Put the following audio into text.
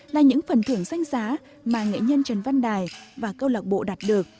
là những phần thưởng danh giá mà nghệ nhân trần văn đài và câu lạc bộ đạt được